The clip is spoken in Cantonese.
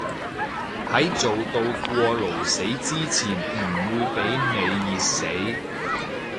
喺做到過勞死之前唔會畀你熱死